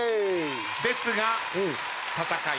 ですが戦い